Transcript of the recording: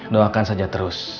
doakan saja terus